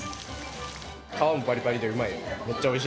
皮もぱりぱりでうまい。